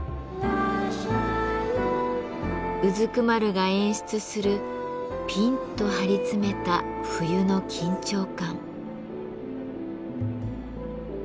蹲が演出するピンと張り詰めた冬の緊張感。